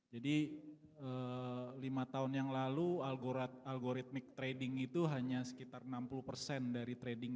jadi lima tahun yang lalu algoritmik trading itu hanya sekitar enam puluh dari trading